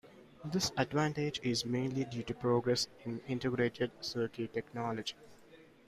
This advantage is mainly due to progress in integrated circuit technology.